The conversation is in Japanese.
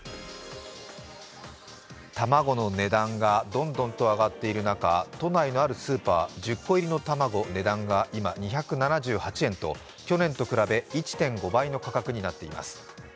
卵の値段がどんどんと上がっている中、都内のあるスーパー、１０個入りの卵、今、値段が２７８円と去年と比べ１．５倍の価格になっています。